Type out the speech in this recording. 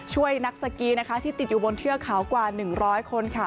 ช่วยนักสกีนะคะที่ติดอยู่บนเทือกเขากว่า๑๐๐คนค่ะ